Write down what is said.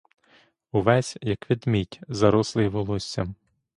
Увесь, як ведмідь, зарослий волоссям.